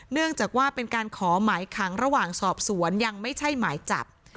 เนื่องจากว่าเป็นการขอหมายขังระหว่างสอบสวนยังไม่ใช่หมายจับ